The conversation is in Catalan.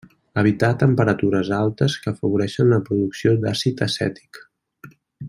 Evitar temperatures altes que afavoreixen la producció d'àcid acètic.